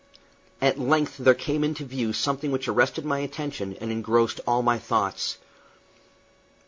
At length there came into view something which arrested my attention and engrossed all my thoughts.